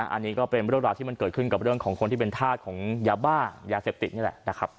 อันนี้ก็เป็นเรื่องราวที่มันเกิดขึ้นกับเรื่องของคนที่เป็นธาตุของยาบ้ายาเสพติดนี่แหละนะครับ